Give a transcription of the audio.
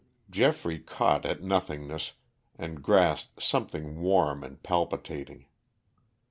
Geoffrey caught at nothingness and grasped something warm and palpitating.